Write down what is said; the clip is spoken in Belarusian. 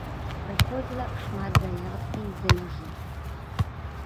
Прыходзіла шмат заявак і з-за мяжы.